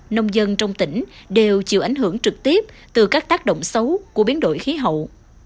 nông dân trong tỉnh đều chịu ảnh hưởng trực tiếp từ các tác động xấu của biến đổi khí hậu